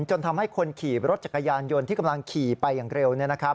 จนทำให้คนขี่รถจักรยานยนต์ที่กำลังขี่ไปอย่างเร็ว